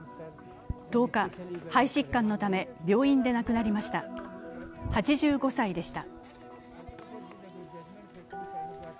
１０日、肺疾患のため病院で亡くなりました、８５歳でした。